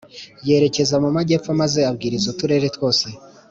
Yerekeza mu majyepfo maze abwiriza uturere twose